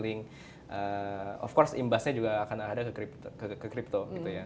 tentu saja imbasnya juga akan ada ke crypto